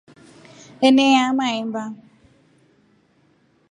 Eneyaa mahemba.